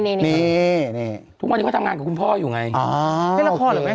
นี่ทุกวันนี้เขาทำงานกับคุณพ่ออยู่ไงเล่นละครหรือไม่